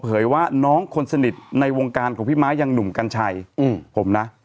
ว่าน้องคนสนิทในวงการของพี่ม้ายังหนุ่มกัญชัยผมนะ